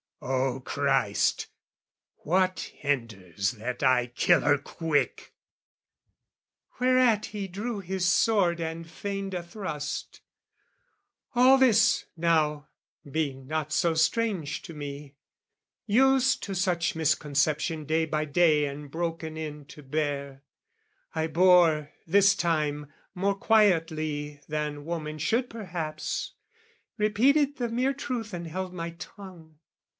"O Christ, what hinders that I kill her quick?" Whereat he drew his sword and feigned a thrust. All this, now, being not so strange to me, Used to such misconception day by day And broken in to bear, I bore, this time, More quietly than woman should perhaps: Repeated the mere truth and held my tongue.